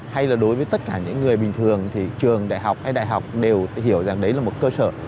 hay là đối với tất cả những người bình thường thì trường đại học hay đại học đều hiểu rằng đấy là một cơ sở